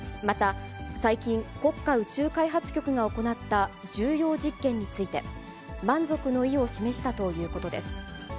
また、最近、国家宇宙開発局が行った重要実験について、満足の意を示したということです。